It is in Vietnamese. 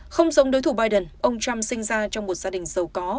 không giống đối thủ biden ông trump sinh ra trong một gia đình giàu có